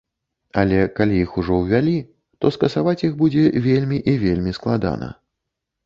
Але калі іх ўжо ўвялі, то скасаваць іх будзе вельмі і вельмі складана.